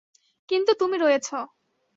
কিন্তু তুমি রয়েছো।